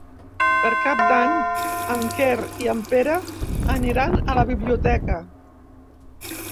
Per Cap d'Any en Quer i en Pere aniran a la biblioteca.